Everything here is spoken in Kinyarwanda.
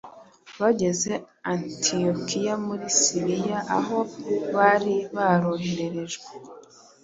Bageze Antiyokiya muri Siriya aho bari barohererejwe